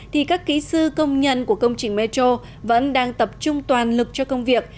thì các kỹ sư công nhân của công trình metro vẫn đang tập trung toàn lực cho công việc